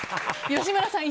吉村さん